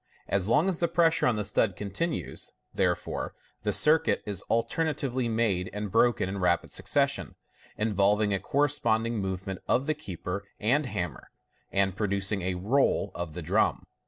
As long as the pressure on the stud continues, therefore, the circuit is alternately made and broken in rapid succession, involving a corresponding movement of the keeper and hammer, and producing a "roll " of the drum.